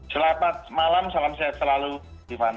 selamat malam salam sehat selalu tiffany